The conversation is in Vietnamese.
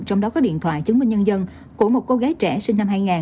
trong đó có điện thoại chứng minh nhân dân của một cô gái trẻ sinh năm hai nghìn